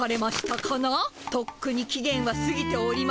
とっくに期限はすぎております。